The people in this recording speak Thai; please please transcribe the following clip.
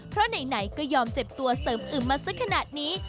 เพราะไหนก็ยอมเจ็บตัวเสริมอึมมาสักขนาดนี้